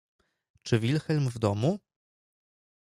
— Czy Wilhelm w domu?